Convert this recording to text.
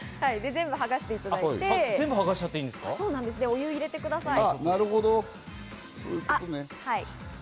全部剥がしていただいて、お湯を入れてください。